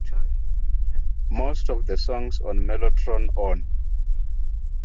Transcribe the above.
Most of the songs on Mellotron On!